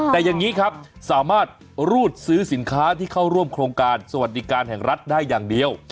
แต่อย่างนี้ครับสามารถรูดซื้อสินค้าที่เข้าร่วมโครงการสวัสดิการแห่งรัฐได้อย่างเดียว